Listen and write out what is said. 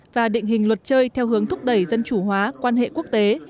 và định hình luật chơi theo hướng thúc đẩy dân chủ hóa quan hệ quốc tế